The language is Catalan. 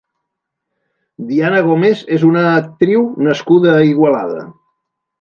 Diana Gómez és una actriu nascuda a Igualada.